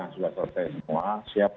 sudah selesai semua siap